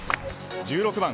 １６番